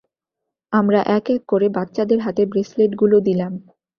আমরা এক এক করে বাচ্চাদের হাতে ব্রেসলেটগুলো দিলাম।